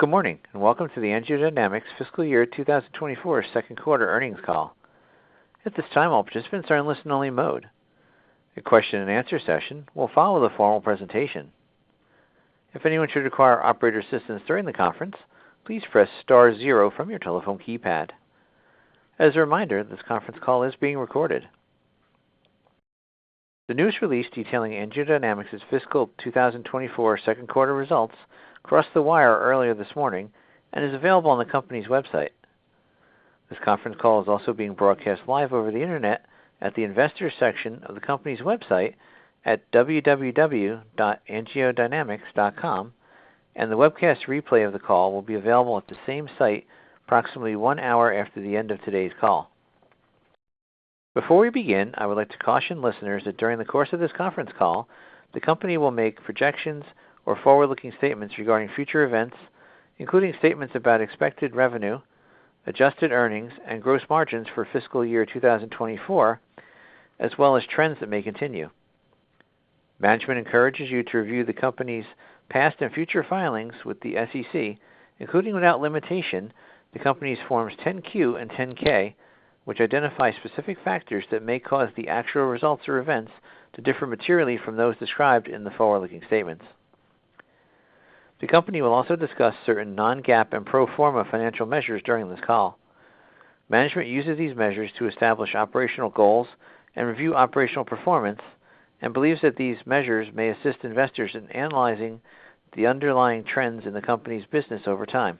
Good morning, and welcome to the AngioDynamics Fiscal Year 2024 Second Quarter Earnings Call. At this time, all participants are in listen-only mode. A question and answer session will follow the formal presentation. If anyone should require operator assistance during the conference, please press star zero from your telephone keypad. As a reminder, this conference call is being recorded. The news release detailing AngioDynamics fiscal 2024 second quarter results crossed the wire earlier this morning and is available on the company's website. This conference call is also being broadcast live over the internet at the investors section of the company's website at www.angiodynamics.com, and the webcast replay of the call will be available at the same site approximately one hour after the end of today's call. Before we begin, I would like to caution listeners that during the course of this conference call, the company will make projections or forward-looking statements regarding future events, including statements about expected revenue, adjusted earnings, and gross margins for fiscal year 2024, as well as trends that may continue. Management encourages you to review the company's past and future filings with the SEC, including, without limitation, the company's Forms 10-Q and 10-K, which identify specific factors that may cause the actual results or events to differ materially from those described in the forward-looking statements. The company will also discuss certain non-GAAP and pro forma financial measures during this call. Management uses these measures to establish operational goals and review operational performance and believes that these measures may assist investors in analyzing the underlying trends in the company's business over time.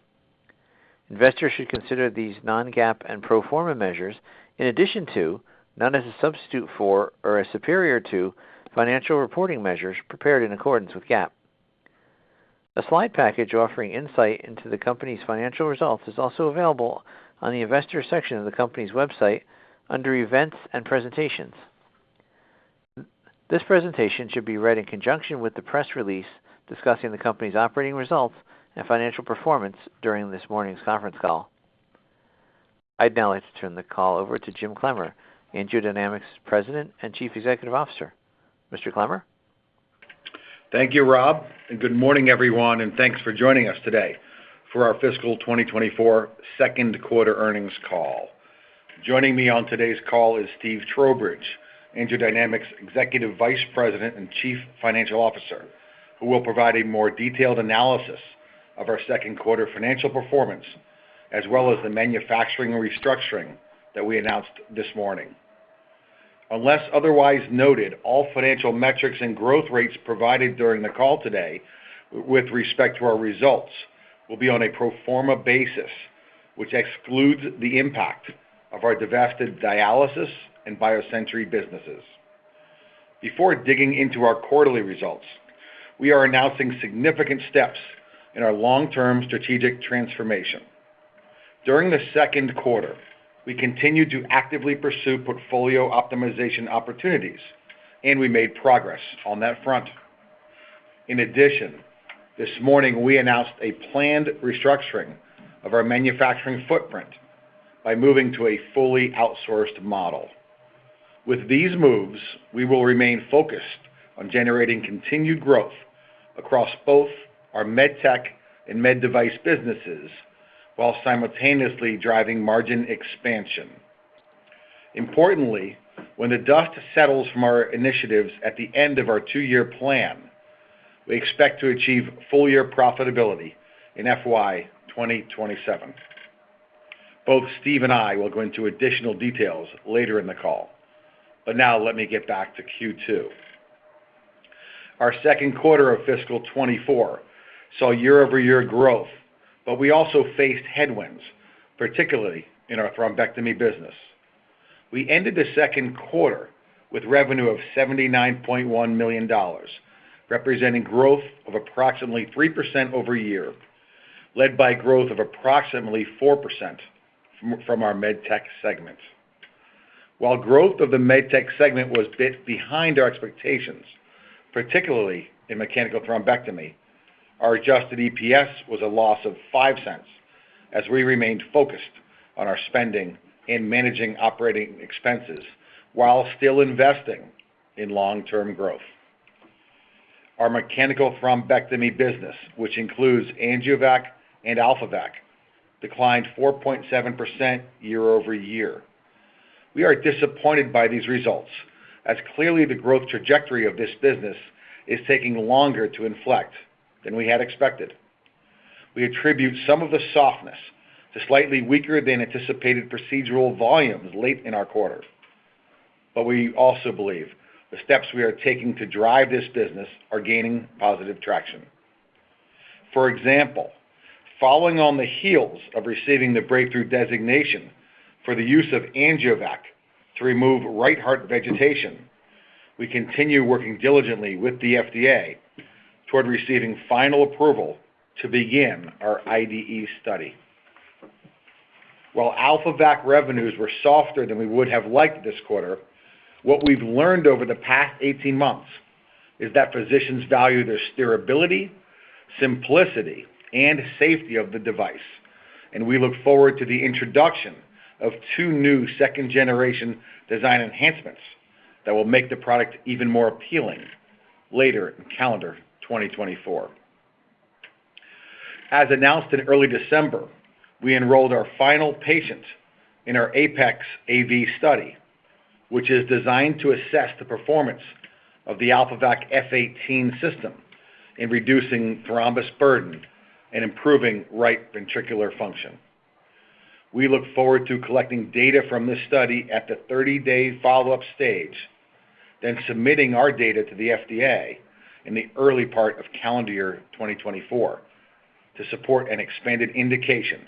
Investors should consider these non-GAAP and pro forma measures in addition to, not as a substitute for or as superior to, financial reporting measures prepared in accordance with GAAP. A slide package offering insight into the company's financial results is also available on the investor section of the company's website under Events and Presentations. This presentation should be read in conjunction with the press release discussing the company's operating results and financial performance during this morning's conference call. I'd now like to turn the call over to Jim Clemmer, AngioDynamics President and Chief Executive Officer. Mr. Clemmer? Thank you, Rob, and good morning, everyone, and thanks for joining us today for our fiscal 2024 second quarter earnings call. Joining me on today's call is Steve Trowbridge, AngioDynamics Executive Vice President and Chief Financial Officer, who will provide a more detailed analysis of our second quarter financial performance, as well as the manufacturing restructuring that we announced this morning. Unless otherwise noted, all financial metrics and growth rates provided during the call today with respect to our results will be on a pro forma basis, which excludes the impact of our divested dialysis and BioSentry Businesses. Before digging into our quarterly results, we are announcing significant steps in our long-term strategic transformation. During the second quarter, we continued to actively pursue portfolio optimization opportunities, and we made progress on that front. In addition, this morning, we announced a planned restructuring of our manufacturing footprint by moving to a fully outsourced model. With these moves, we will remain focused on generating continued growth across both our Med Tech and Med Device businesses while simultaneously driving margin expansion. Importantly, when the dust settles from our initiatives at the end of our two-year plan, we expect to achieve full year profitability in FY 2027. Both Steve and I will go into additional details later in the call. But now let me get back to Q2. Our second quarter of fiscal 2024 saw year-over-year growth, but we also faced headwinds, particularly in our thrombectomy business. We ended the second quarter with revenue of $79.1 million, representing growth of approximately 3% year-over-year, led by growth of approximately 4% from our Med Tech segment. While growth of the Med Tech segment was a bit behind our expectations, particularly in mechanical thrombectomy, our adjusted EPS was a loss of $0.05 as we remained focused on our spending in managing operating expenses while still investing in long-term growth. Our mechanical thrombectomy business, which includes AngioVac and AlphaVac, declined 4.7% year-over-year. We are disappointed by these results, as clearly the growth trajectory of this business is taking longer to inflect than we had expected. We attribute some of the softness to slightly weaker than anticipated procedural volumes late in our quarter. But we also believe the steps we are taking to drive this business are gaining positive traction. For example, following on the heels of receiving the breakthrough designation for the use of AngioVac to remove right heart vegetation, we continue working diligently with the FDA toward receiving final approval to begin our IDE study. While AlphaVac revenues were softer than we would have liked this quarter, what we've learned over the past 18 months is that physicians value the steerability, simplicity, and safety of the device... and we look forward to the introduction of two new second-generation design enhancements that will make the product even more appealing later in calendar 2024. As announced in early December, we enrolled our final patient in our APEX-AV study, which is designed to assess the performance of the AlphaVac F18 System in reducing thrombus burden and improving right ventricular function. We look forward to collecting data from this study at the 30-day follow-up stage, then submitting our data to the FDA in the early part of calendar year 2024 to support an expanded indication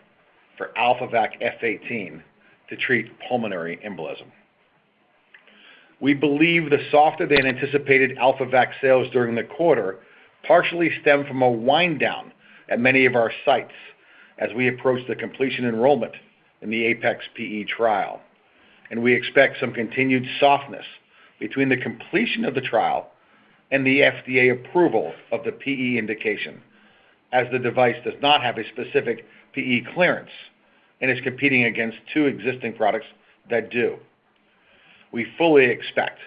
for AlphaVac F18 to treat pulmonary embolism. We believe the softer-than-anticipated AlphaVac sales during the quarter partially stemmed from a wind down at many of our sites as we approached the completion enrollment in the APEX-PE trial, and we expect some continued softness between the completion of the trial and the FDA approval of the PE indication, as the device does not have a specific PE clearance and is competing against two existing products that do. We fully expect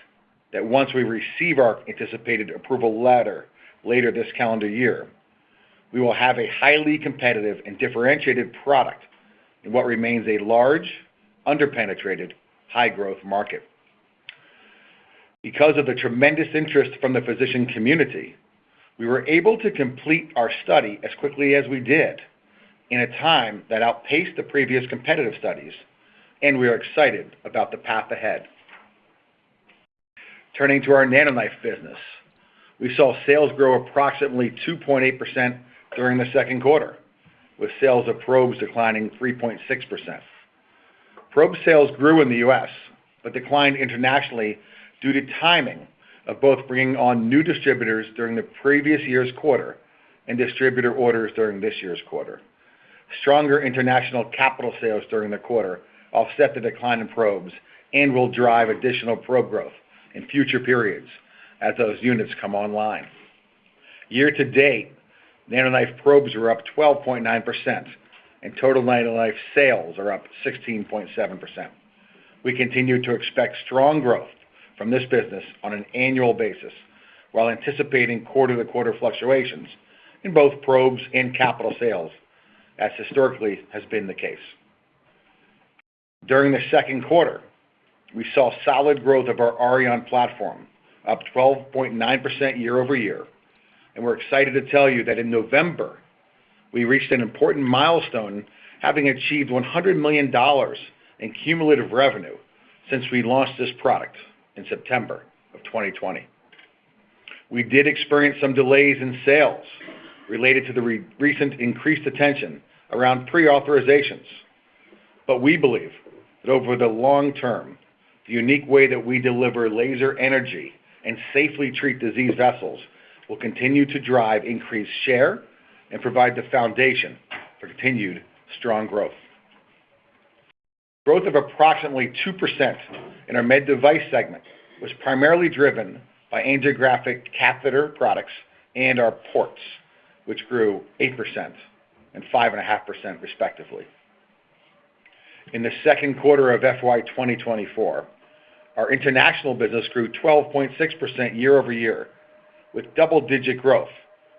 that once we receive our anticipated approval letter later this calendar year, we will have a highly competitive and differentiated product in what remains a large, under-penetrated, high-growth market. Because of the tremendous interest from the physician community, we were able to complete our study as quickly as we did in a time that outpaced the previous competitive studies, and we are excited about the path ahead. Turning to our NanoKnife business, we saw sales grow approximately 2.8% during the second quarter, with sales of probes declining 3.6%. Probe sales grew in the US, but declined internationally due to timing of both bringing on new distributors during the previous year's quarter and distributor orders during this year's quarter. Stronger international capital sales during the quarter offset the decline in probes and will drive additional probe growth in future periods as those units come online. Year-to-date, NanoKnife probes are up 12.9%, and total NanoKnife sales are up 16.7%. We continue to expect strong growth from this business on an annual basis, while anticipating quarter-to-quarter fluctuations in both probes and capital sales, as historically has been the case. During the second quarter, we saw solid growth of our Auryon Platform, up 12.9% year-over-year, and we're excited to tell you that in November, we reached an important milestone, having achieved $100 million in cumulative revenue since we launched this product in September 2020. We did experience some delays in sales related to the recent increased attention around pre-authorizations, but we believe that over the long term, the unique way that we deliver laser energy and safely treat diseased vessels will continue to drive increased share and provide the foundation for continued strong growth. Growth of approximately 2% in our Med Device segment was primarily driven by angiographic catheter products and our ports, which grew 8% and 5.5% respectively. In the second quarter of FY 2024, our international business grew 12.6% year-over-year, with double-digit growth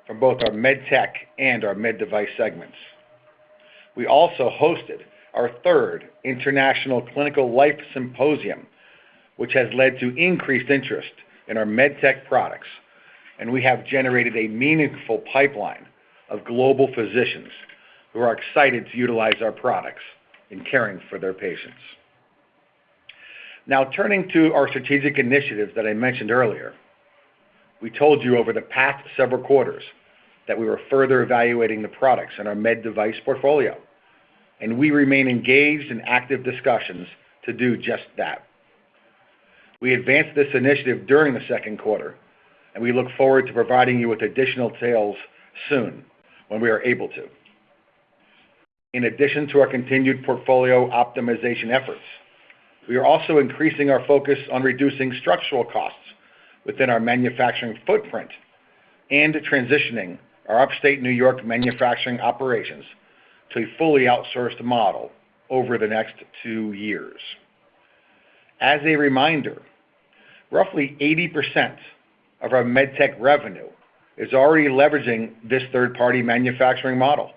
from both our Med Tech and our Med Device segments. We also hosted our third International Clinical LIFE Symposium, which has led to increased interest in our Med Tech products, and we have generated a meaningful pipeline of global physicians who are excited to utilize our products in caring for their patients. Now, turning to our strategic initiatives that I mentioned earlier. We told you over the past several quarters that we were further evaluating the products in our Med Device portfolio, and we remain engaged in active discussions to do just that. We advanced this initiative during the second quarter, and we look forward to providing you with additional details soon when we are able to. In addition to our continued portfolio optimization efforts, we are also increasing our focus on reducing structural costs within our manufacturing footprint and transitioning our Upstate New York manufacturing operations to a fully outsourced model over the next two years. As a reminder, roughly 80% of our Med Tech revenue is already leveraging this third-party manufacturing model.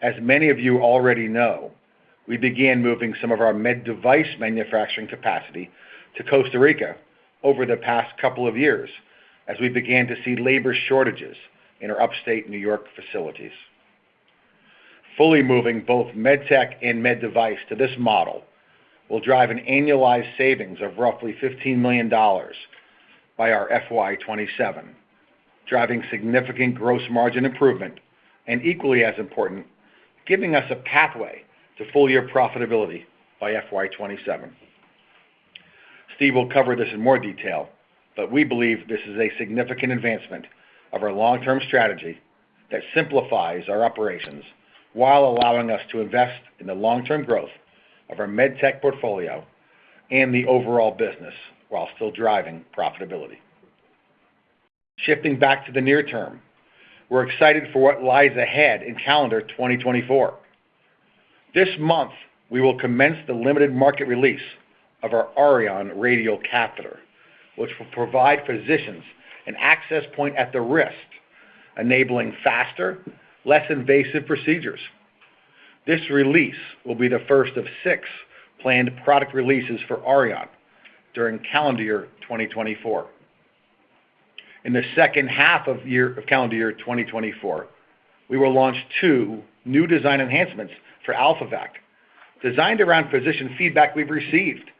As many of you already know, we began moving some of our Med Device manufacturing capacity to Costa Rica over the past couple of years as we began to see labor shortages in our Upstate New York facilities. Fully moving both Med Tech and Med Device to this model will drive an annualized savings of roughly $15 million by our FY 2027, driving significant gross margin improvement, and equally as important, giving us a pathway to full year profitability by FY 2027. Steve will cover this in more detail, but we believe this is a significant advancement of our long-term strategy that simplifies our operations while allowing us to invest in the long-term growth of our Med Tech portfolio and the overall business, while still driving profitability. Shifting back to the near term, we're excited for what lies ahead in calendar 2024. This month, we will commence the limited market release of our Auryon radial catheter, which will provide physicians an access point at the wrist, enabling faster, less invasive procedures. This release will be the first of 6 planned product releases for Auryon during calendar year 2024. In the second half of calendar year 2024, we will launch 2 new design enhancements for AlphaVac, designed around physician feedback we've received,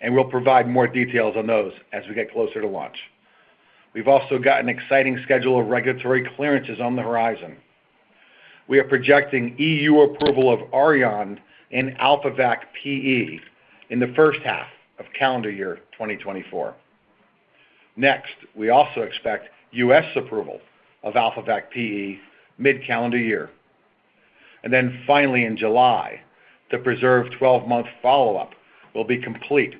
and we'll provide more details on those as we get closer to launch. We've also got an exciting schedule of regulatory clearances on the horizon. We are projecting E.U. approval of Auryon and AlphaVac PE in the first half of calendar year 2024. Next, we also expect U.S. approval of AlphaVac PE mid-calendar year. Then finally, in July, the PRESERVE 12-month follow-up will be complete,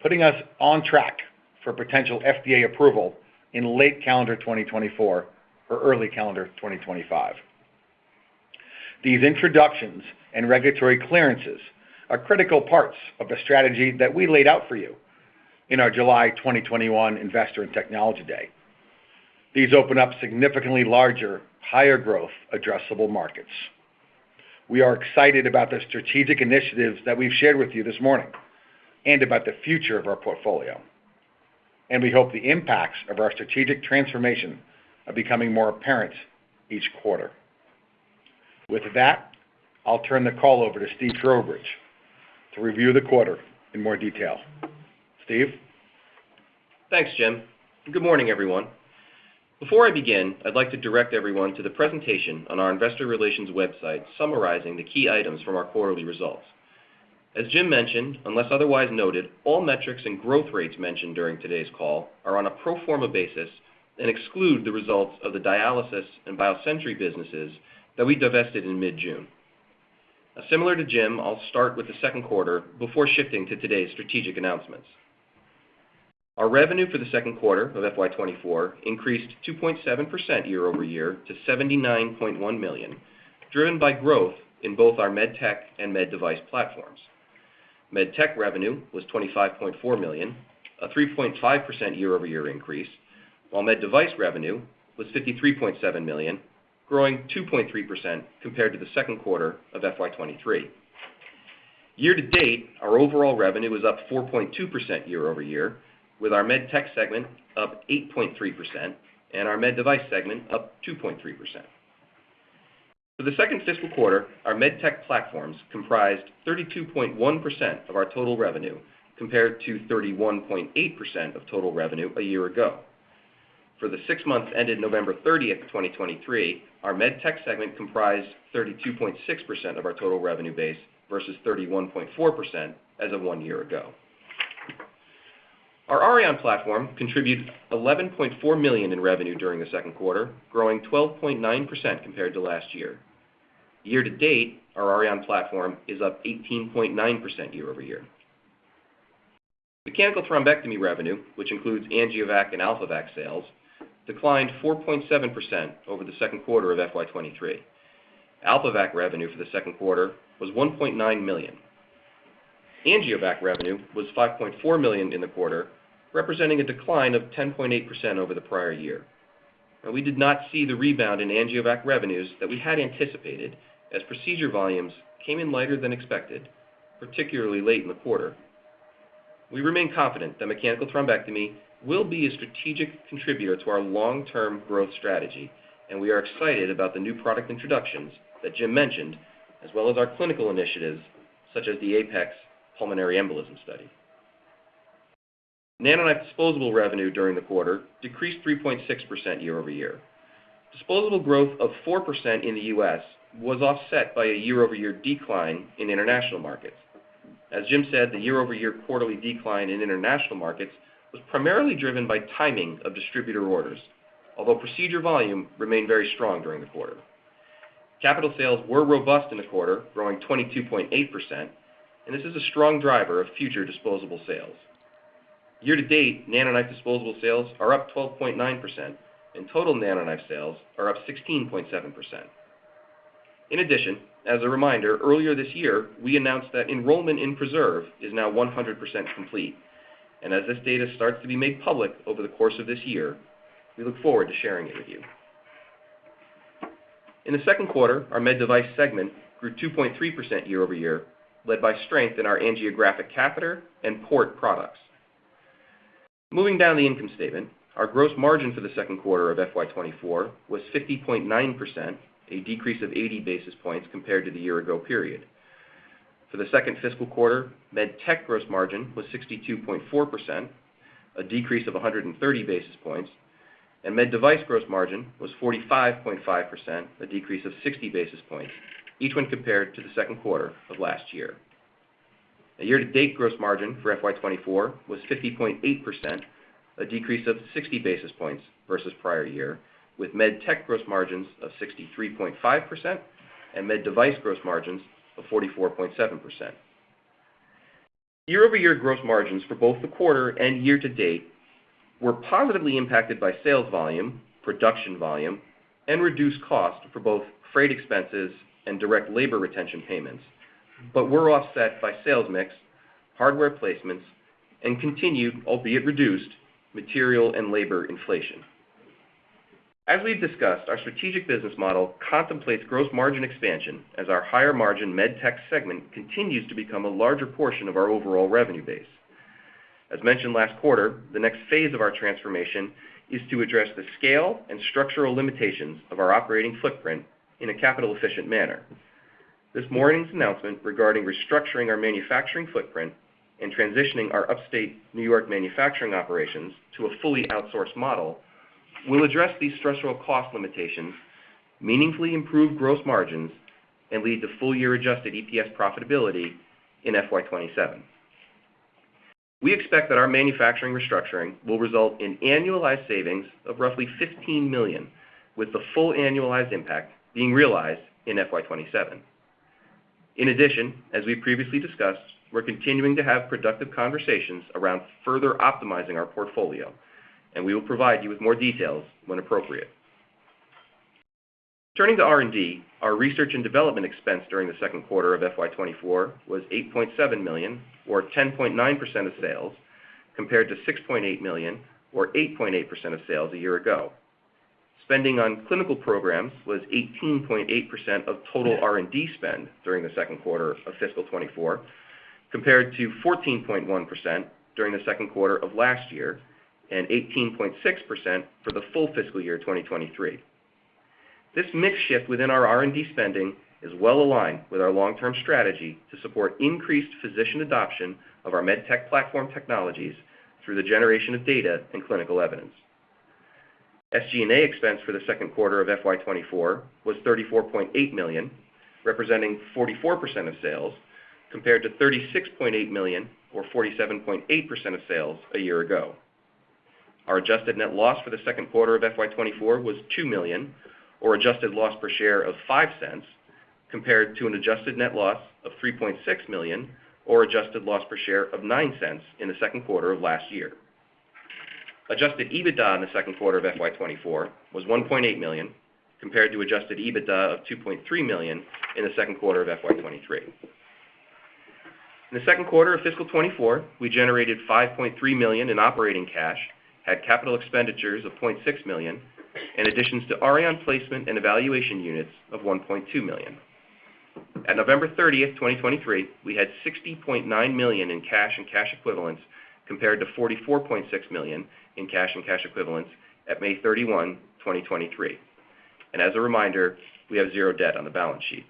putting us on track for potential FDA approval in late calendar 2024 or early calendar 2025. These introductions and regulatory clearances are critical parts of the strategy that we laid out for you in our July 2021 Investor and Technology Day. These open up significantly larger, higher growth addressable markets. We are excited about the strategic initiatives that we've shared with you this morning and about the future of our portfolio, and we hope the impacts of our strategic transformation are becoming more apparent each quarter. With that, I'll turn the call over to Steve Trowbridge to review the quarter in more detail. Steve? Thanks, Jim, and good morning, everyone. Before I begin, I'd like to direct everyone to the presentation on our investor relations website, summarizing the key items from our quarterly results. As Jim mentioned, unless otherwise noted, all metrics and growth rates mentioned during today's call are on a pro forma basis and exclude the results of the dialysis and BioSentry businesses that we divested in mid-June. Now, similar to Jim, I'll start with the second quarter before shifting to today's strategic announcements. Our revenue for the second quarter of FY 2024 increased 2.7% year-over-year to $79.1 million, driven by growth in both our Med Tech and Med Device platforms. Med Tech revenue was $25.4 million, a 3.5% year-over-year increase, while Med Device revenue was $53.7 million, growing 2.3% compared to the second quarter of FY 2023. Year to date, our overall revenue was up 4.2% year-over-year, with our Med Tech segment up 8.3% and our Med Device segment up 2.3%. For the second fiscal quarter, our Med Tech platforms comprised 32.1% of our total revenue, compared to 31.8% of total revenue a year ago. For the six months ended November 30, 2023, our Med Tech segment comprised 32.6% of our total revenue base versus 31.4% as of one year ago. Our Auryon platform contributed $11.4 million in revenue during the second quarter, growing 12.9% compared to last year. Year to date, our Auryon platform is up 18.9% year-over-year. Mechanical thrombectomy revenue, which includes AngioVac and AlphaVac sales, declined 4.7% over the second quarter of FY 2023. AlphaVac revenue for the second quarter was $1.9 million. AngioVac revenue was $5.4 million in the quarter, representing a decline of 10.8% over the prior year. Now, we did not see the rebound in AngioVac revenues that we had anticipated, as procedure volumes came in lighter than expected, particularly late in the quarter. We remain confident that mechanical thrombectomy will be a strategic contributor to our long-term growth strategy, and we are excited about the new product introductions that Jim mentioned, as well as our clinical initiatives, such as the APEX pulmonary embolism study. NanoKnife disposable revenue during the quarter decreased 3.6% year-over-year. Disposable growth of 4% in the U.S. was offset by a year-over-year decline in international markets. As Jim said, the year-over-year quarterly decline in international markets was primarily driven by timing of distributor orders, although procedure volume remained very strong during the quarter. Capital sales were robust in the quarter, growing 22.8%, and this is a strong driver of future disposable sales. Year-to-date, NanoKnife disposable sales are up 12.9%, and total NanoKnife sales are up 16.7%. In addition, as a reminder, earlier this year, we announced that enrollment in PRESERVE is now 100% complete, and as this data starts to be made public over the course of this year, we look forward to sharing it with you. In the second quarter, our Med Device segment grew 2.3% year-over-year, led by strength in our angiographic catheter and port products. Moving down the income statement, our gross margin for the second quarter of FY 2024 was 50.9%, a decrease of 80 basis points compared to the year ago period. For the second fiscal quarter, Med Tech gross margin was 62.4%, a decrease of 130 basis points, and Med Device gross margin was 45.5%, a decrease of 60 basis points, each one compared to the second quarter of last year. A year-to-date gross margin for FY 2024 was 50.8%, a decrease of 60 basis points versus prior year, with Med Tech gross margins of 63.5% and Med Device gross margins of 44.7%. Year-over-year gross margins for both the quarter and year-to-date were positively impacted by sales volume, production volume, and reduced costs for both freight expenses and direct labor retention payments, but were offset by sales mix, hardware placements, and continued, albeit reduced, material and labor inflation. As we've discussed, our strategic business model contemplates gross margin expansion as our higher margin Med Tech segment continues to become a larger portion of our overall revenue base. As mentioned last quarter, the next phase of our transformation is to address the scale and structural limitations of our operating footprint in a capital-efficient manner. This morning's announcement regarding restructuring our manufacturing footprint and transitioning our Upstate New York manufacturing operations to a fully outsourced model will address these structural cost limitations, meaningfully improve gross margins, and lead to full-year adjusted EPS profitability in FY 2027. We expect that our manufacturing restructuring will result in annualized savings of roughly $15 million, with the full annualized impact being realized in FY 2027. In addition, as we previously discussed, we're continuing to have productive conversations around further optimizing our portfolio, and we will provide you with more details when appropriate. Turning to R&D, our research and development expense during the second quarter of FY 2024 was $8.7 million, or 10.9% of sales, compared to $6.8 million, or 8.8% of sales a year ago. Spending on clinical programs was 18.8% of total R&D spend during the second quarter of fiscal 2024, compared to 14.1% during the second quarter of last year and 18.6% for the full fiscal year 2023. This mix shift within our R&D spending is well aligned with our long-term strategy to support increased physician adoption of our Med Tech platform technologies through the generation of data and clinical evidence. SG&A expense for the second quarter of FY 2024 was $34.8 million, representing 44% of sales, compared to $36.8 million or 47.8% of sales a year ago. Our adjusted net loss for the second quarter of FY 2024 was $2 million, or adjusted loss per share of $0.05, compared to an adjusted net loss of $3.6 million or adjusted loss per share of $0.09 in the second quarter of last year. Adjusted EBITDA in the second quarter of FY 2024 was $1.8 million, compared to adjusted EBITDA of $2.3 million in the second quarter of FY 2023. In the second quarter of fiscal 2024, we generated $5.3 million in operating cash, had capital expenditures of $0.6 million, and additions to Auryon placement and evaluation units of $1.2 million. At November 30th, 2023, we had $60.9 million in cash and cash equivalents, compared to $44.6 million in cash and cash equivalents at May 31st, 2023. As a reminder, we have 0 debt on the balance sheet.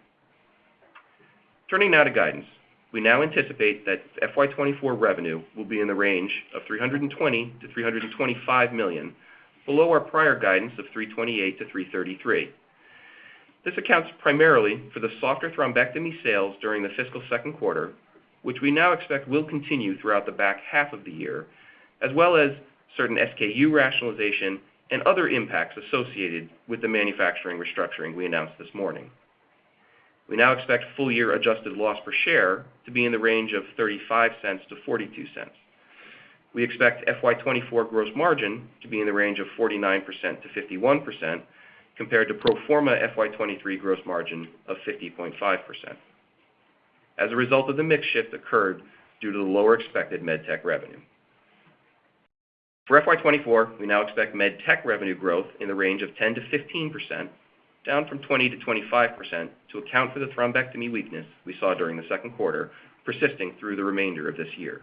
Turning now to guidance. We now anticipate that FY 2024 revenue will be in the range of $320 million-$325 million, below our prior guidance of $328 million-$333 million. This accounts primarily for the softer thrombectomy sales during the fiscal second quarter, which we now expect will continue throughout the back half of the year, as well as certain SKU rationalization and other impacts associated with the manufacturing restructuring we announced this morning. We now expect full-year adjusted loss per share to be in the range of $0.35-$0.42. We expect FY 2024 gross margin to be in the range of 49%-51%, compared to pro forma FY 2023 gross margin of 50.5%. As a result of the mix shift occurred due to the lower expected Med Tech revenue. For FY 2024, we now expect Med Tech revenue growth in the range of 10%-15%, down from 20%-25%, to account for the thrombectomy weakness we saw during the second quarter persisting through the remainder of this year.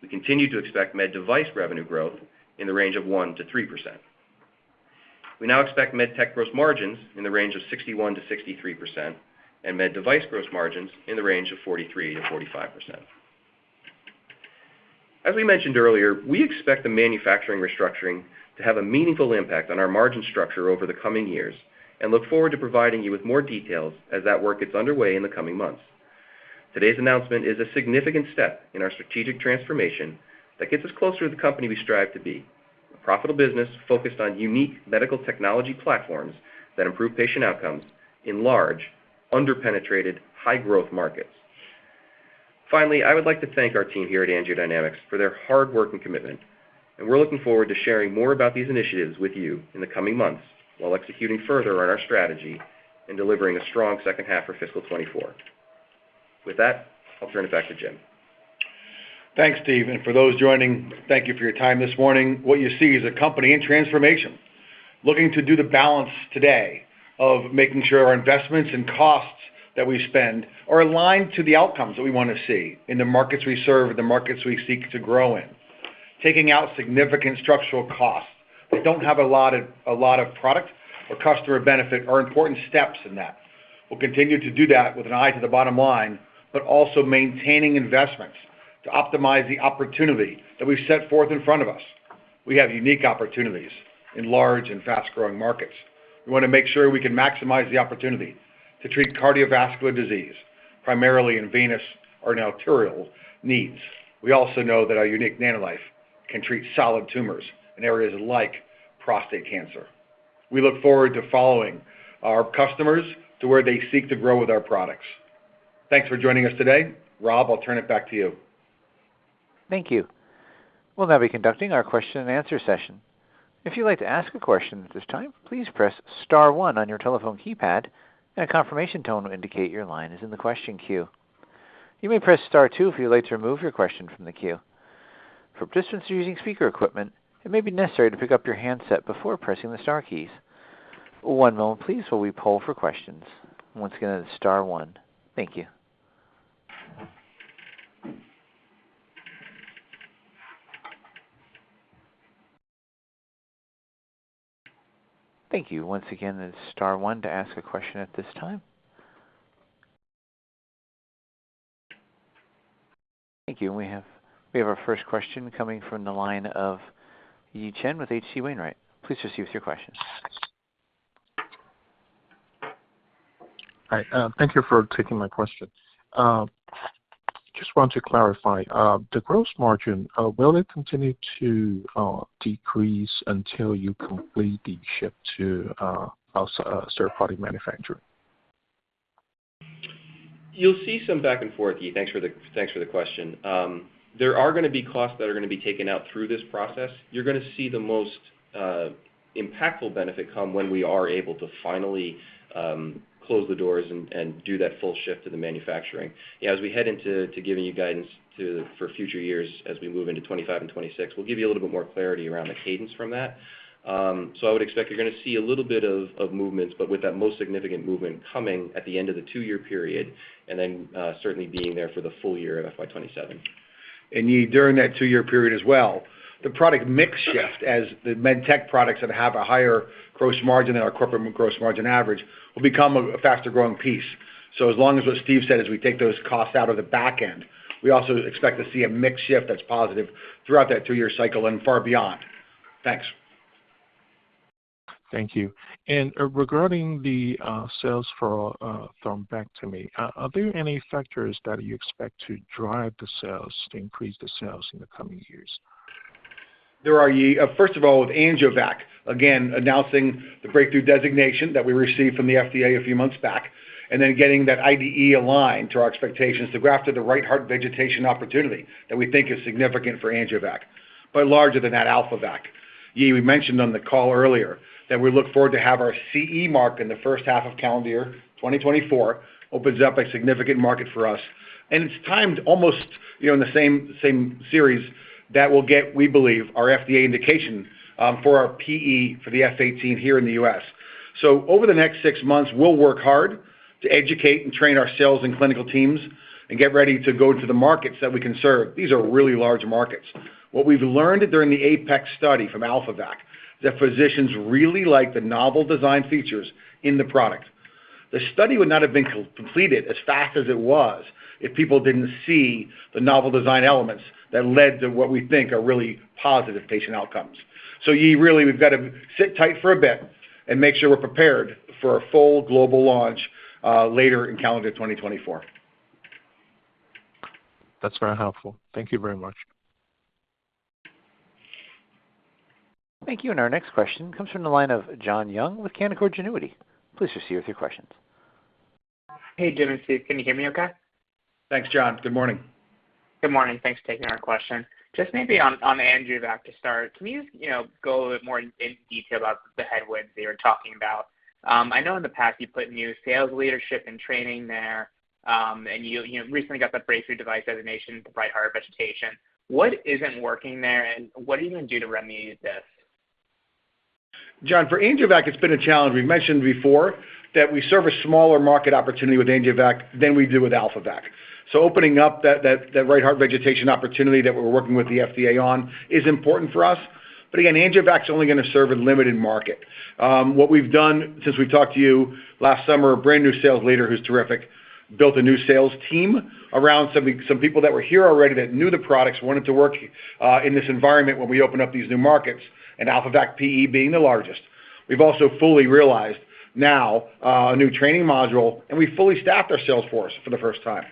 We continue to expect MedDevice revenue growth in the range of 1%-3%. We now expect Med Tech gross margins in the range of 61%-63% and MedDevice gross margins in the range of 43%-45%. As we mentioned earlier, we expect the manufacturing restructuring to have a meaningful impact on our margin structure over the coming years and look forward to providing you with more details as that work gets underway in the coming months. Today's announcement is a significant step in our strategic transformation that gets us closer to the company we strive to be, a profitable business focused on unique medical technology platforms that improve patient outcomes in large, under-penetrated, high-growth markets. Finally, I would like to thank our team here at AngioDynamics for their hard work and commitment, and we're looking forward to sharing more about these initiatives with you in the coming months while executing further on our strategy and delivering a strong second half for fiscal 2024. With that, I'll turn it back to Jim. Thanks, Steve, and for those joining, thank you for your time this morning. What you see is a company in transformation, looking to do the balance today of making sure our investments and costs that we spend are aligned to the outcomes that we want to see in the markets we serve and the markets we seek to grow in. Taking out significant structural costs that don't have a lot of, a lot of product or customer benefit are important steps in that. We'll continue to do that with an eye to the bottom line, but also maintaining investments to optimize the opportunity that we've set forth in front of us. We have unique opportunities in large and fast-growing markets. We want to make sure we can maximize the opportunity to treat cardiovascular disease, primarily in venous or in arterial needs. We also know that our unique NanoKnife can treat solid tumors in areas like prostate cancer. We look forward to following our customers to where they seek to grow with our products. Thanks for joining us today. Rob, I'll turn it back to you. Thank you. We'll now be conducting our question and answer session. If you'd like to ask a question at this time, please press star one on your telephone keypad, and a confirmation tone will indicate your line is in the question queue. You may press star two if you'd like to remove your question from the queue. For participants using speaker equipment, it may be necessary to pick up your handset before pressing the star keys. One moment please, while we poll for questions. Once again, it's star one. Thank you. Thank you. Once again, it's star one to ask a question at this time. Thank you. We have our first question coming from the line of Yi Chen with H.C. Wainwright. Please proceed with your question. Hi, thank you for taking my question. Just want to clarify, the gross margin, will it continue to decrease until you complete the shift to out-third-party manufacturer? You'll see some back and forth, Yi. Thanks for the thanks for the question. There are going to be costs that are going to be taken out through this process. You're going to see the most impactful benefit come when we are able to finally close the doors and do that full shift to the manufacturing. As we head into giving you guidance for future years as we move into 2025 and 2026, we'll give you a little bit more clarity around the cadence from that. So I would expect you're going to see a little bit of movements, but with that most significant movement coming at the end of the two-year period, and then certainly being there for the full year of FY 2027. Yi, during that two-year period as well, the product mix shift, as the Med Tech products that have a higher gross margin than our corporate gross margin average, will become a faster growing piece. So as long as what Steve said, as we take those costs out of the back end, we also expect to see a mix shift that's positive throughout that two-year cycle and far beyond. Thanks. Thank you. Regarding the sales for thrombectomy, are there any factors that you expect to drive the sales, to increase the sales in the coming years? There are, Yi. First of all, with AngioVac, again, announcing the breakthrough designation that we received from the FDA a few months back, and then getting that IDE aligned to our expectations, the graft to the right heart vegetation opportunity that we think is significant for AngioVac, but larger than that, AlphaVac. Yi, we mentioned on the call earlier that we look forward to have our CE mark in the first half of calendar year 2024, opens up a significant market for us, and it's timed almost, you know, in the same, same series that will get, we believe, our FDA indication, for our PE for the F18 here in the US. So over the next six months, we'll work hard to educate and train our sales and clinical teams and get ready to go to the markets that we can serve. These are really large markets. What we've learned during the APEX study from AlphaVac, that physicians really like the novel design features in the product. The study would not have been completed as fast as it was if people didn't see the novel design elements that led to what we think are really positive patient outcomes. So, Yi, really, we've got to sit tight for a bit and make sure we're prepared for a full global launch later in calendar 2024. That's very helpful. Thank you very much. Thank you. Our next question comes from the line of John Young with Canaccord Genuity. Please proceed with your questions. Hey, Jim and Steve, can you hear me okay? Thanks, John. Good morning. Good morning. Thanks for taking our question. Just maybe on, on AngioVac to start, can you, you know, go a bit more in detail about the headwinds that you're talking about? I know in the past you put new sales leadership and training there, and you, you recently got the Breakthrough Device Designation, the right heart vegetation. What isn't working there, and what are you going to do to remediate this? John, for AngioVac, it's been a challenge. We've mentioned before that we serve a smaller market opportunity with AngioVac than we do with AlphaVac. So opening up that right heart vegetation opportunity that we're working with the FDA on is important for us. But again, AngioVac is only going to serve a limited market. What we've done since we talked to you last summer, a brand new sales leader who's terrific, built a new sales team around some people that were here already that knew the products, wanted to work in this environment when we open up these new markets, and AlphaVac PE being the largest. We've also fully realized now a new training module, and we fully staffed our sales force for the first time.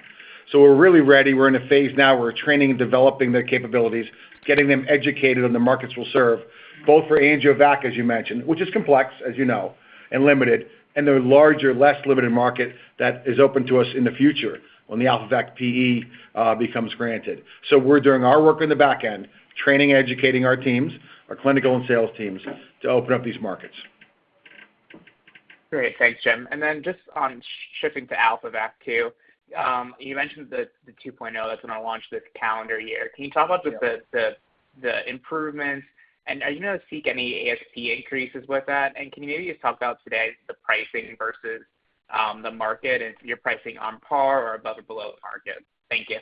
So we're really ready. We're in a phase now where we're training and developing their capabilities, getting them educated on the markets we'll serve, both for AngioVac, as you mentioned, which is complex, as you know, and limited, and the larger, less limited market that is open to us in the future when the AlphaVac PE becomes granted. So we're doing our work on the back end, training and educating our teams, our clinical and sales teams, to open up these markets. Great. Thanks, Jim. And then just on shifting to AlphaVac, too. You mentioned the 2.0, that's going to launch this calendar year. Can you talk about the improvements, and are you going to seek any ASP increases with that? And can you maybe just talk about today the pricing versus the market, and if you're pricing on par or above or below the market? Thank you.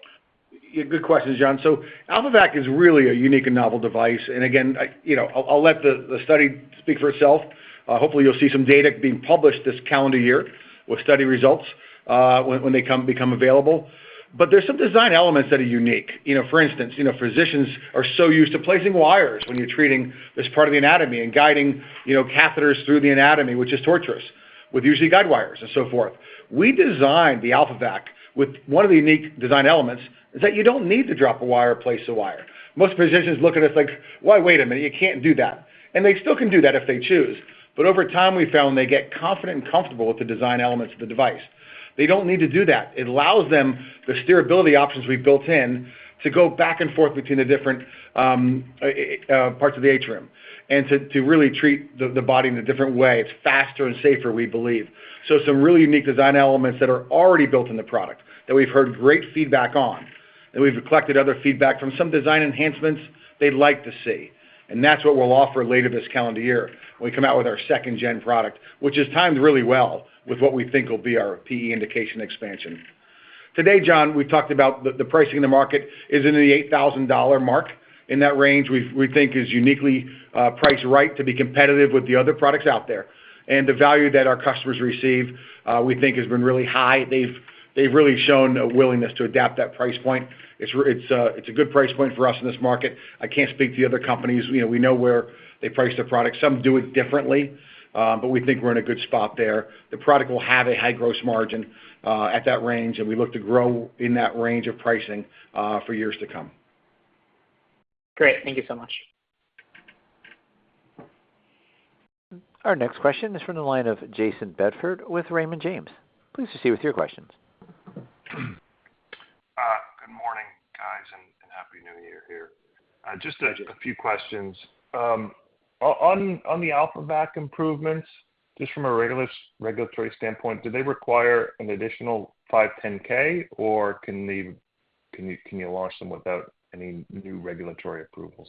Yeah, good question, John. So AlphaVac is really a unique and novel device. And again, I, you know, I'll, I'll let the, the study speak for itself. Hopefully, you'll see some data being published this calendar year with study results, when, when they come, become available. But there's some design elements that are unique. You know, for instance, you know, physicians are so used to placing wires when you're treating this part of the anatomy and guiding, you know, catheters through the anatomy, which is tortuous, with usually guide wires and so forth. We designed the AlphaVac, with one of the unique design elements, is that you don't need to drop a wire or place a wire. Most physicians look at us like: "Well, wait a minute, you can't do that." And they still can do that if they choose, but over time, we found they get confident and comfortable with the design elements of the device. They don't need to do that. It allows them, the steerability options we've built in, to go back and forth between the different parts of the atrium, and to really treat the body in a different way. It's faster and safer, we believe. So some really unique design elements that are already built in the product, that we've heard great feedback on, and we've collected other feedback from some design enhancements they'd like to see. That's what we'll offer later this calendar year, when we come out with our second-gen product, which is timed really well with what we think will be our PE indication expansion. Today, John, we talked about the pricing in the market is in the $8,000 mark. In that range, we think is uniquely priced right to be competitive with the other products out there. And the value that our customers receive, we think has been really high. They've really shown a willingness to adapt that price point. It's a, it's a good price point for us in this market. I can't speak to the other companies. We know where they price their products. Some do it differently, but we think we're in a good spot there. The product will have a high gross margin at that range, and we look to grow in that range of pricing for years to come. Great. Thank you so much. Our next question is from the line of Jason Bedford with Raymond James. Please proceed with your questions. Good morning, guys, and Happy New Year here. Just a- Hi, Jason... a few questions. On the AlphaVac improvements, just from a regulatory standpoint, do they require an additional 510(k), or can you launch them without any new regulatory approvals?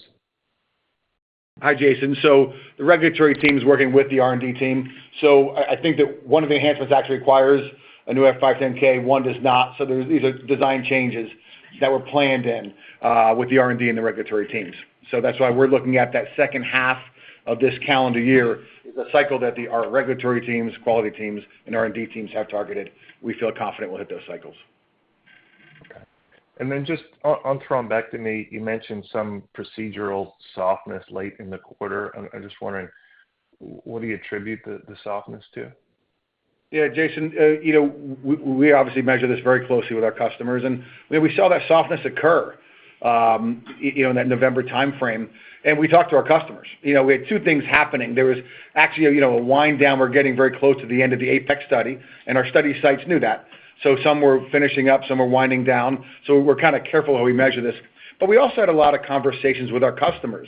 Hi, Jason. So the regulatory team is working with the R&D team. So I, I think that one of the enhancements actually requires a new 510(k), one does not. So these are design changes that were planned in with the R&D and the regulatory teams. So that's why we're looking at that second half of this calendar year, is the cycle that our regulatory teams, quality teams, and R&D teams have targeted. We feel confident we'll hit those cycles. Okay. And then just on thrombectomy, you mentioned some procedural softness late in the quarter. I was just wondering, what do you attribute the softness to? Yeah, Jason, you know, we obviously measure this very closely with our customers, and when we saw that softness occur, you know, in that November time frame, and we talked to our customers. You know, we had two things happening. There was actually a wind down. We're getting very close to the end of the Apex study, and our study sites knew that. So some were finishing up, some were winding down, so we're kind of careful how we measure this. But we also had a lot of conversations with our customers.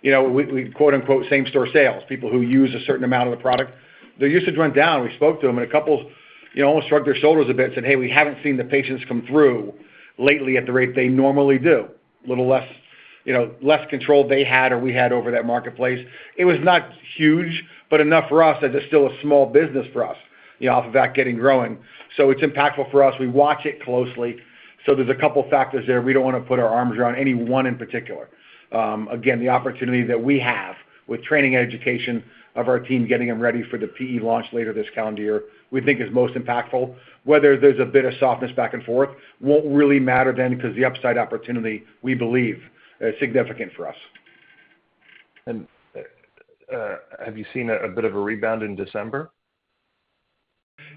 You know, we quote-unquote "same store sales," people who use a certain amount of the product. Their usage went down. We spoke to them, and a couple, you know, shrugged their shoulders a bit and said: "Hey, we haven't seen the patients come through lately at the rate they normally do." A little less, you know, less control they had or we had over that marketplace. It was not huge, but enough for us that it's still a small business for us, you know, off the bat, getting growing. So it's impactful for us. We watch it closely. So there's a couple of factors there. We don't want to put our arms around any one in particular. Again, the opportunity that we have with training and education of our team, getting them ready for the PE launch later this calendar year, we think is most impactful. Whether there's a bit of softness back and forth, won't really matter then, because the upside opportunity, we believe, is significant for us. Have you seen a bit of a rebound in December?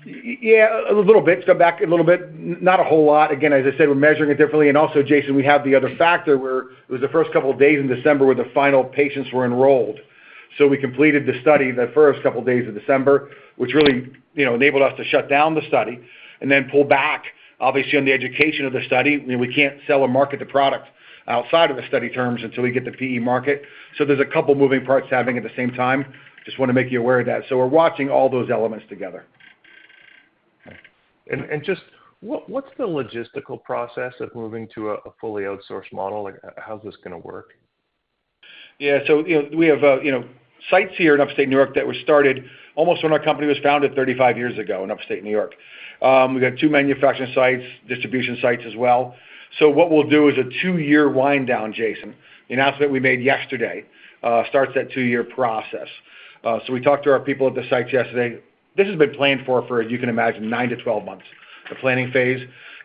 Yeah, a little bit. Come back a little bit, not a whole lot. Again, as I said, we're measuring it differently. And also, Jason, we have the other factor, where it was the first couple of days in December, where the final patients were enrolled. So we completed the study the first couple of days of December, which really, you know, enabled us to shut down the study and then pull back, obviously, on the education of the study. We can't sell or market the product outside of the study terms until we get the PE market. So there's a couple moving parts happening at the same time. Just want to make you aware of that. So we're watching all those elements together. Okay. And just what's the logistical process of moving to a fully outsourced model? Like, how's this going to work? Yeah. So, you know, we have, you know, sites here in Upstate New York that were started almost when our company was founded 35 years ago in Upstate New York. We've got two manufacturing sites, distribution sites as well. So what we'll do is a two-year wind down, Jason. The announcement we made yesterday starts that two-year process. So we talked to our people at the sites yesterday. This has been planned for, you can imagine, nine-12 months, the planning phase.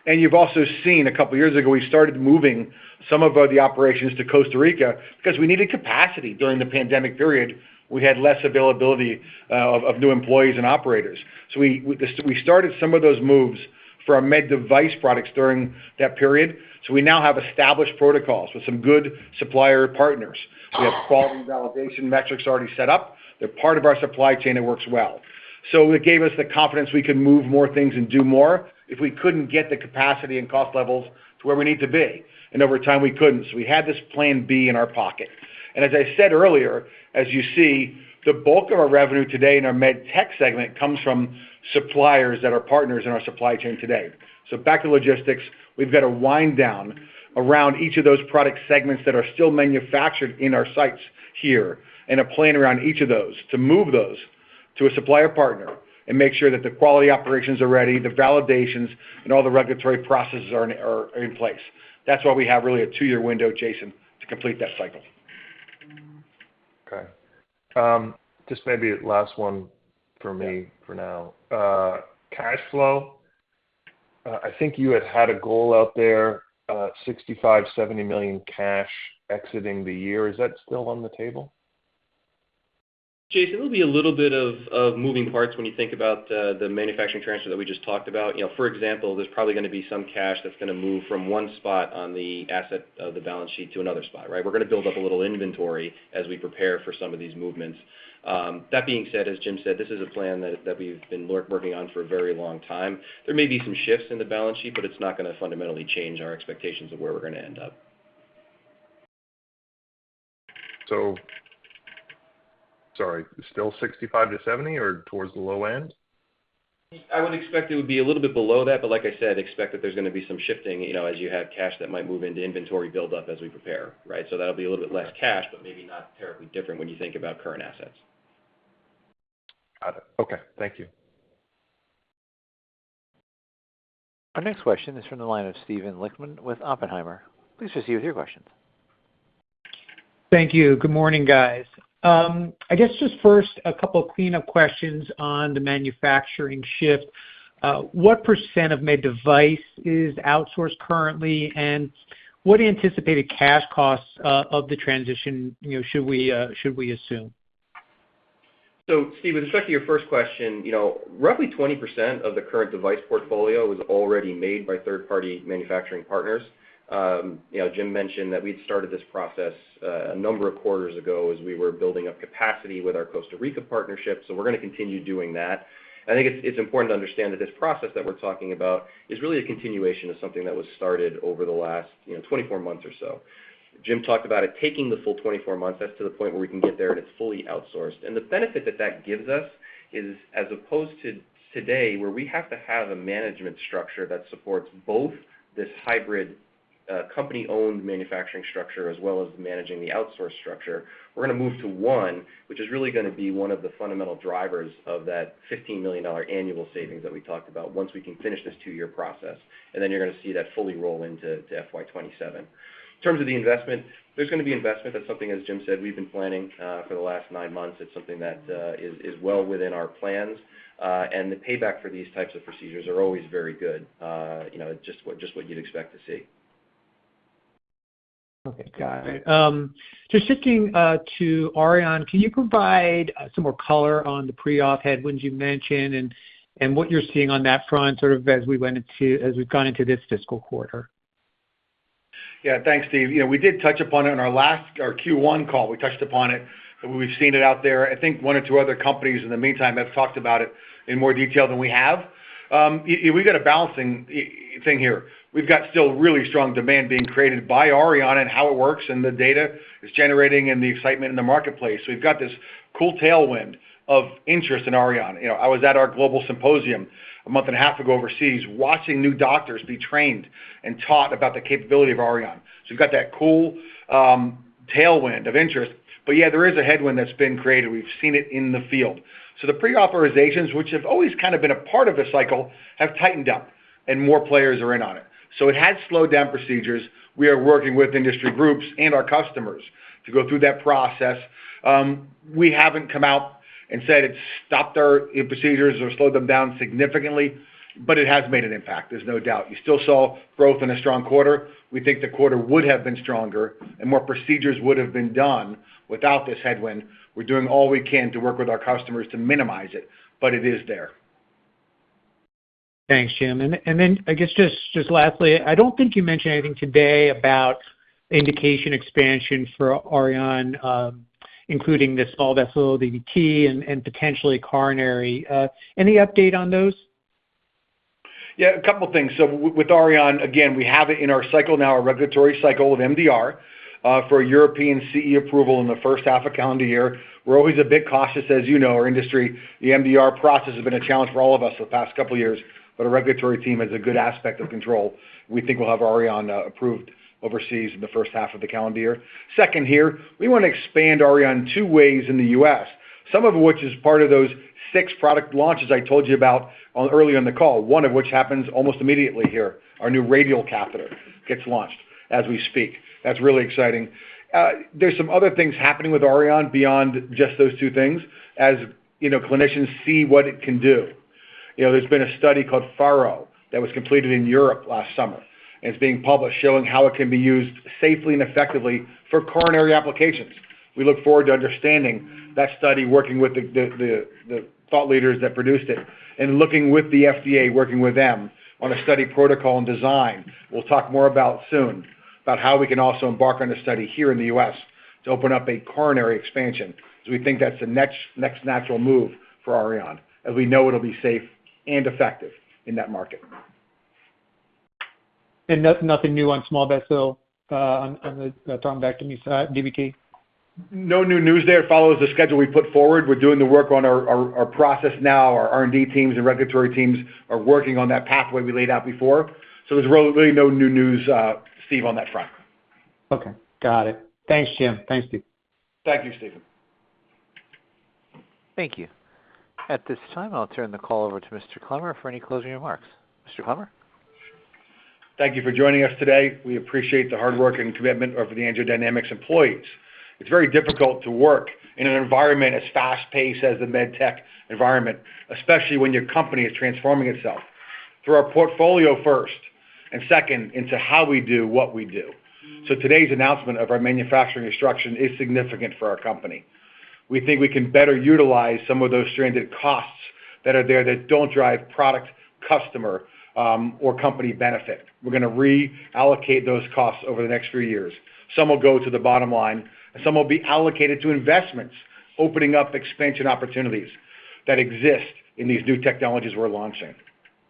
And you've also seen a couple of years ago, we started moving some of our operations to Costa Rica because we needed capacity. During the pandemic period, we had less availability of new employees and operators. So we started some of those moves for our Med Device products during that period. So we now have established protocols with some good supplier partners. We have quality validation metrics already set up. They're part of our supply chain and works well. So it gave us the confidence we could move more things and do more if we couldn't get the capacity and cost levels to where we need to be, and over time, we couldn't. So we had this plan B in our pocket. And as I said earlier, as you see, the bulk of our revenue today in our Med Tech segment comes from suppliers that are partners in our supply chain today. So back to logistics, we've got to wind down around each of those product segments that are still manufactured in our sites here, and a plan around each of those to move those to a supplier partner and make sure that the quality operations are ready, the validations, and all the regulatory processes are in, are in place. That's why we have really a two-year window, Jason, to complete that cycle. Okay. Just maybe last one for me for now. I think you had had a goal out there, $65 million-$70 million cash exiting the year. Is that still on the table? Jason, there'll be a little bit of moving parts when you think about the manufacturing transfer that we just talked about. You know, for example, there's probably gonna be some cash that's gonna move from one spot on the asset of the balance sheet to another spot, right? We're gonna build up a little inventory as we prepare for some of these movements. That being said, as Jim said, this is a plan that we've been working on for a very long time. There may be some shifts in the balance sheet, but it's not gonna fundamentally change our expectations of where we're gonna end up. Sorry, still 65-70, or towards the low end? I would expect it would be a little bit below that, but like I said, expect that there's gonna be some shifting, you know, as you have cash that might move into inventory build-up as we prepare, right? So that'll be a little bit less cash, but maybe not terribly different when you think about current assets. Got it. Okay, thank you. Our next question is from the line of Steven Lichtman with Oppenheimer. Please proceed with your questions. Thank you. Good morning, guys. I guess just first, a couple of clean-up questions on the manufacturing shift. What % of Med Device is outsourced currently, and what anticipated cash costs of the transition, you know, should we should we assume? So Steven, with respect to your first question, you know, roughly 20% of the current device portfolio was already made by third-party manufacturing partners. You know, Jim mentioned that we'd started this process, a number of quarters ago as we were building up capacity with our Costa Rica partnership, so we're gonna continue doing that. I think it's important to understand that this process that we're talking about is really a continuation of something that was started over the last, you know, 24 months or so. Jim talked about it taking the full 24 months, that's to the point where we can get there, and it's fully outsourced. The benefit that that gives us is, as opposed to today, where we have to have a management structure that supports both this hybrid, company-owned manufacturing structure, as well as managing the outsource structure, we're gonna move to one, which is really gonna be one of the fundamental drivers of that $15 million annual savings that we talked about once we can finish this two-year process. And then you're gonna see that fully roll into FY 2027. In terms of the investment, there's gonna be investment. That's something, as Jim said, we've been planning for the last nine months. It's something that is well within our plans. And the payback for these types of procedures are always very good, you know, just what, just what you'd expect to see. Okay, got it. Just shifting to Auryon, can you provide some more color on the pre-op headwinds you mentioned and what you're seeing on that front, sort of, as we've gone into this fiscal quarter? Yeah. Thanks, Steve. You know, we did touch upon it in our last. Our Q1 call, we touched upon it, and we've seen it out there. I think one or two other companies, in the meantime, have talked about it in more detail than we have. We've got a balancing act here. We've got still really strong demand being created by Auryon and how it works, and the data it's generating and the excitement in the marketplace. So we've got this cool tailwind of interest in Auryon. You know, I was at our global symposium a month and a half ago overseas, watching new doctors be trained and taught about the capability of Auryon. So we've got that cool tailwind of interest. But yeah, there is a headwind that's been created. We've seen it in the field. So the pre-authorizations, which have always kind of been a part of this cycle, have tightened up and more players are in on it. So it has slowed down procedures. We are working with industry groups and our customers to go through that process. We haven't come out and said it's stopped our procedures or slowed them down significantly, but it has made an impact, there's no doubt. You still saw growth in a strong quarter. We think the quarter would have been stronger and more procedures would have been done without this headwind. We're doing all we can to work with our customers to minimize it, but it is there. Thanks, Jim. And then I guess just lastly, I don't think you mentioned anything today about indication expansion for Auryon, including the small vessel DVT and potentially coronary. Any update on those? Yeah, a couple of things. So with Auryon, again, we have it in our cycle now, our regulatory cycle of MDR for European CE approval in the first half of calendar year. We're always a bit cautious, as you know, our industry, the MDR process has been a challenge for all of us for the past couple of years, but our regulatory team has a good aspect of control. We think we'll have Auryon approved overseas in the first half of the calendar year. Second, here, we want to expand Auryon two ways in the US, some of which is part of those six product launches I told you about on earlier in the call. One of which happens almost immediately here. Our new radial catheter gets launched as we speak. That's really exciting. There's some other things happening with Auryon beyond just those two things, as you know, clinicians see what it can do. You know, there's been a study called FARO that was completed in Europe last summer, and it's being published showing how it can be used safely and effectively for coronary applications. We look forward to understanding that study, working with the thought leaders that produced it, and looking with the FDA, working with them on a study protocol and design. We'll talk more about it soon, about how we can also embark on a study here in the U.S. to open up a coronary expansion. So we think that's the next natural move for Auryon, as we know it'll be safe and effective in that market. And nothing new on small vessel, on the... Thrombectomy, DVT? No new news there. It follows the schedule we put forward. We're doing the work on our process now. Our R&D teams and regulatory teams are working on that pathway we laid out before, so there's really no new news, Steve, on that front. Okay, got it. Thanks, Jim. Thanks, Steve. Thank you, Steven. Thank you. At this time, I'll turn the call over to Mr. Clemmer for any closing remarks. Mr. Clemmer? Thank you for joining us today. We appreciate the hard work and commitment of the AngioDynamics employees. It's very difficult to work in an environment as fast-paced as the Med Tech environment, especially when your company is transforming itself. Through our portfolio first, and second, into how we do what we do. So today's announcement of our manufacturing transition is significant for our company. We think we can better utilize some of those stranded costs that are there that don't drive product, customer, or company benefit. We're gonna reallocate those costs over the next few years. Some will go to the bottom line, and some will be allocated to investments, opening up expansion opportunities that exist in these new technologies we're launching.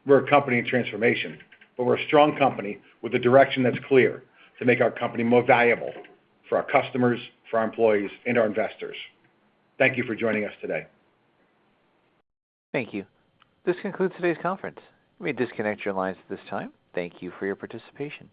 We're a company in transformation, but we're a strong company with a direction that's clear to make our company more valuable for our customers, for our employees, and our investors. Thank you for joining us today. Thank you. This concludes today's conference. You may disconnect your lines at this time. Thank you for your participation.